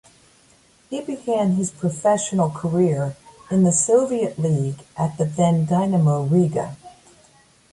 He began his professional career in the Soviet League at the then Dinamo Riga.